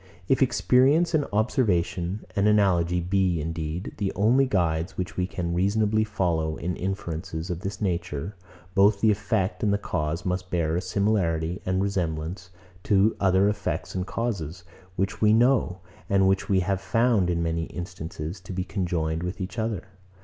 If experience and observation and analogy be, indeed, the only guides which we can reasonably follow in inferences of this nature; both the effect and cause must bear a similarity and resemblance to other effects and causes, which we know, and which we have found, in many instances, to be conjoined with each other.